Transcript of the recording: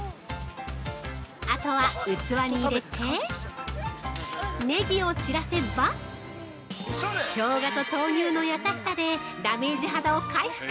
◆あとは器に入れてネギを散らせばしょうがと豆乳の優しさでダメージ肌を回復！